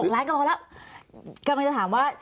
ล้านก็พอแล้วกำลังจะถามว่า